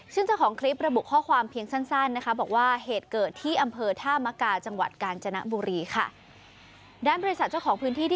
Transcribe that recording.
ซึ่งเจ้าของคลิประบุข้อความเพียงสั้น